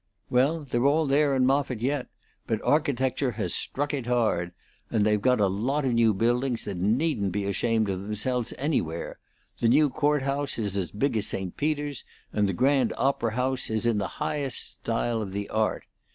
Well, they're all there in Moffitt yet, but architecture has struck it hard, and they've got a lot of new buildings that needn't be ashamed of themselves anywhere; the new court house is as big as St. Peter's, and the Grand Opera house is in the highest style of the art.